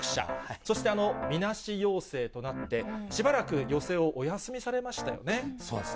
そして、みなし陽性となって、しばらく寄席をお休みされましたよね。